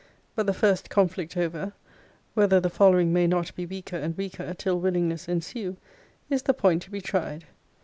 But the first conflict over, whether the following may not be weaker and weaker, till willingness ensue, is the point to be tried.